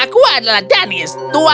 aku adalah danis tuan